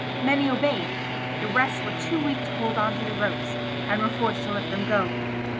Many obeyed; the rest were too weak to hold on to the ropes, and were forced to let them go.